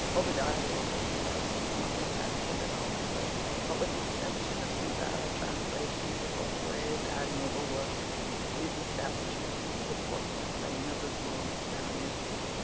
Obadiah Walker's press was not less active at Oxford. But, with the exception of some bad translations of Bossuet's admirable works, these establishments put forth nothing of the smallest value.